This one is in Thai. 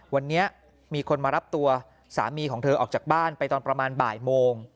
วันนี้มีคนมารับตัวสามีของเธอออกจากบ้านไปตอนประมาณบ่ายโมง